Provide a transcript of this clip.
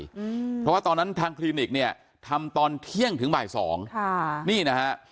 อืมเพราะว่าตอนนั้นทางคลินิกเนี่ยทำตอนเที่ยงถึงบ่ายสองค่ะนี่นะฮะ